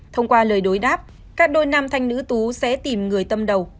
thông qua lời đối đáp các đôi nam thanh nữ tú sẽ tìm người tâm đầu